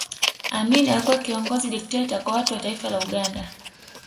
amini alikuwa kiongozi dikteta Kwa watu wa taifa la Uganda